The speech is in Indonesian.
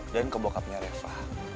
dan ke bokapnya reva